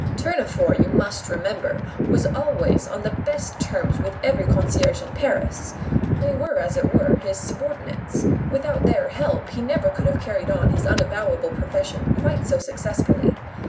Tournefort, you must remember, was always on the best terms with every concierge in Paris. They were, as it were, his subordinates; without their help he never could have carried on his unavowable profession quite so successfully.